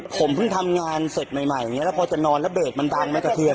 ผมเพิ่งทำงานเสร็จใหม่อย่างนี้แล้วพอจะนอนแล้วเบรกมันดังไหมกระเทือน